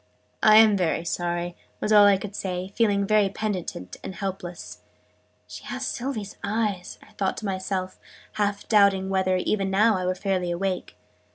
"I'm very sorry," was all I could say, feeling very penitent and helpless. "She has Sylvie's eyes!" I thought to myself, half doubting whether, even now, I were fairly awake.